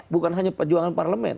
bukan hanya perjuangan parlemen